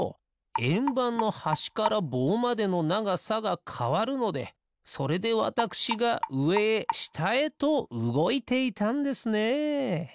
えんばんのはしからぼうまでのながさがかわるのでそれでわたくしがうえへしたへとうごいていたんですね。